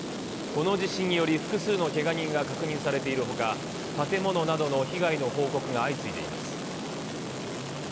この地震により、複数のけが人が確認されているほか、建物などの被害の報告が相次いでいます。